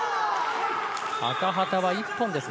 赤旗は一本ですか。